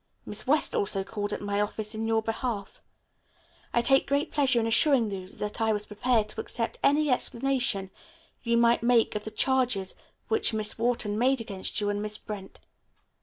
Miss West also called at my office in your behalf. I take great pleasure in assuring you that I was prepared to accept any explanation you might make of the charges which Miss Wharton made against you and Miss Brent.